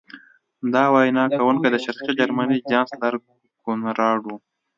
دا وینا کوونکی د شرقي جرمني چانسلر کونراډ و